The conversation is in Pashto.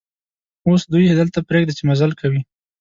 اوس دوی دلته پرېږده چې مزل کوي.